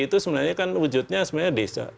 itu sebenarnya kan wujudnya sebenarnya desa